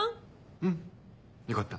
うんよかった。